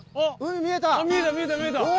見えた見えた見えた。